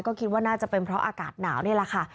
ก็คิดว่าน่าจะเป็นเพราะอากาศหนาวนี่แหละค่ะ